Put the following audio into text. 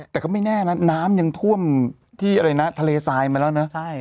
แต่ก็ไม่แน่นะน้ำยังท่วมที่อะไรนะทะเลทรายมาแล้วนะ